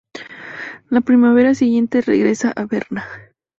La primavera siguiente regresa a Berna.